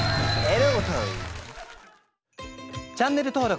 チャンネル登録。